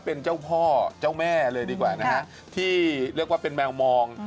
เป็นเจ้าพ่อเจ้าแม่เลยดีกว่านะฮะที่เรียกว่าเป็นแมวมอง